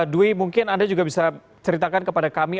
dwi mungkin anda juga bisa ceritakan kepada kami